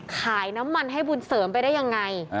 ขายน้ำมันให้บุญเสริมไปได้ยังไง